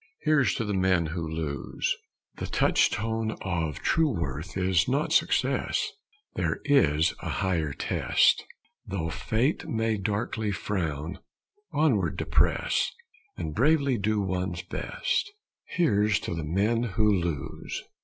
Here's to the men who lose! The touchstone of true worth is not success; There is a higher test Though fate may darkly frown, onward to press, And bravely do one's best. Here's to the men who lose!